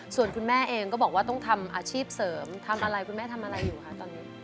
ส่วนคุณแม่เองก็บอกว่าต้องทำอาชีพเสริมทำอะไรคุณแม่ทำอะไรอยู่คะตอนนี้